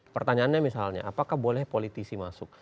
pertanyaannya misalnya apakah boleh politisi masuk